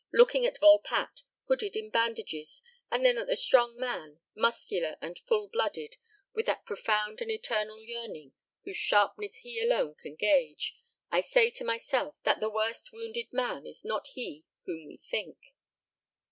Looking at Volpatte, hooded in bandages, and then at the strong man, muscular and full blooded, with that profound and eternal yearning whose sharpness he alone can gauge, I say to myself that the worst wounded man is not he whom we think.